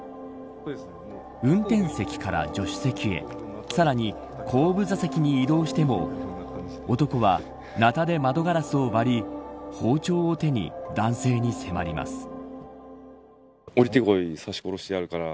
運転席から助手席へさらに後部座席に移動しても男は、ナタで窓ガラスを割りを包丁を手に男性に迫ります。